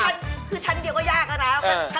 อ่าคือชั้นเดียวก็ยากนะครับเออ